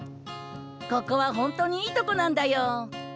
ここは本当にいいとこなんだよ。